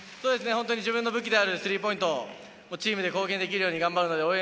自分の武器であるスリーポイント、チームで貢献できるように頑張るので応援